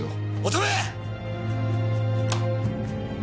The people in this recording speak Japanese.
乙部！